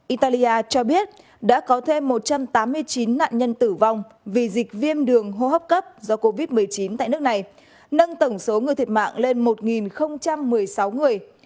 italia cho biết đã có thêm một trăm tám mươi chín nạn nhân tử vong vì dịch viêm đường hô hấp cấp do covid một mươi chín tại nước này nâng tổng số người thiệt mạng lên một một mươi sáu người